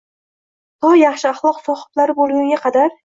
to yaxshi axloq sohiblari bo'lgunga qadar